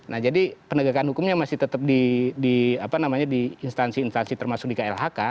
nah jadi penegakan hukumnya masih tetap di instansi instansi termasuk di klhk